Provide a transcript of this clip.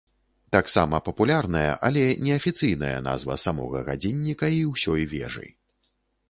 Таксама папулярная, але неафіцыйная назва самога гадзінніка і ўсёй вежы.